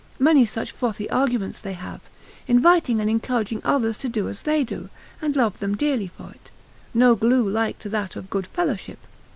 Many such frothy arguments they have, inviting and encouraging others to do as they do, and love them dearly for it (no glue like to that of good fellowship).